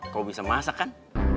kau bisa masak kan